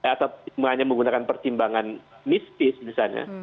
atau hanya menggunakan pertimbangan mistis misalnya